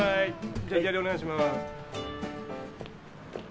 じゃ左お願いします。